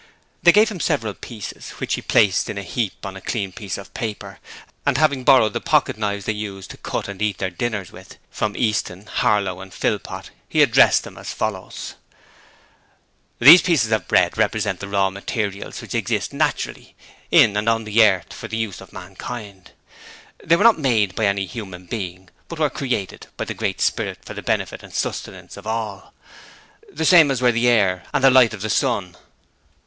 They gave him several pieces, which he placed in a heap on a clean piece of paper, and, having borrowed the pocket knives they used to cut and eat their dinners with from Easton, Harlow and Philpot, he addressed them as follows: 'These pieces of bread represent the raw materials which exist naturally in and on the earth for the use of mankind; they were not made by any human being, but were created by the Great Spirit for the benefit and sustenance of all, the same as were the air and the light of the sun.'